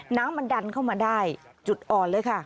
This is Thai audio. น้ำมันดันเข้ามาได้จุดอ่อนเลยค่ะ